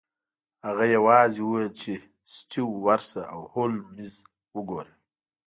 هغه یوازې وویل چې سټیو ورشه او هولمز وګوره